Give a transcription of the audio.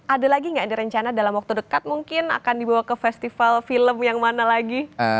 ada lagi nggak ada rencana dalam waktu dekat mungkin akan dibawa ke festival film yang mana lagi